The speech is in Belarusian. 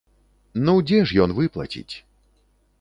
Ну дзе ж ён выплаціць?